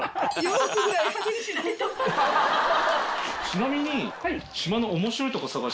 ちなみに。